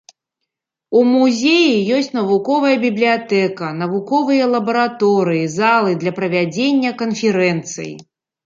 У музеі ёсць навуковая бібліятэка, навуковыя лабараторыі, залы для правядзення канферэнцый.